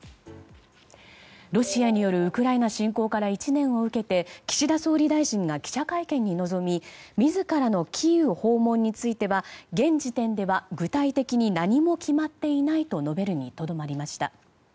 ロシアによるウクライナ侵攻から１年を受けて岸田総理大臣が記者会見に臨み自らのキーウ訪問については現時点では具体的に何も決まっていないと述べるにとどまりました。